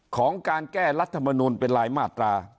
ของการแก้รัฐมนุนเป็นรายมาตรา